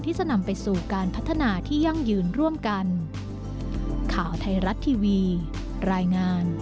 ที่จะนำไปสู่การพัฒนาที่ยั่งยืนร่วมกัน